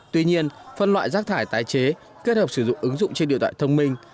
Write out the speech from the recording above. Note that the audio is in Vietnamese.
tuy nhiên phân loại rác thải tái chế kết hợp sử dụng ứng dụng trên điện thoại thông minh